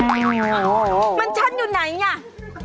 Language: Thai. มันช่อนอยู่ไหนน่ะ